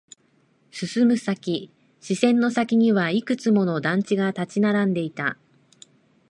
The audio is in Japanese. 進む先、視線の先にはいくつも団地が立ち並んでいた。